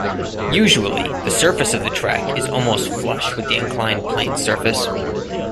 Usually, the surface of the track is almost flush with the inclined plane's surface.